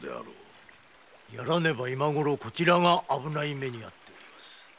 殺らねばこちらが危ないめにあっております。